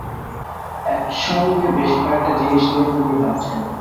একসঙ্গে বেশ কয়েকটা জিনিস নিয়ে তিনি ভাবছেন।